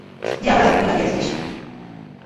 njia bora za kupika viazi lishe